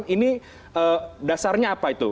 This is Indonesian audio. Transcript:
ini dasarnya apa itu